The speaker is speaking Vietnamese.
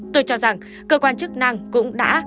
tôi cho rằng cơ quan chức năng cũng đã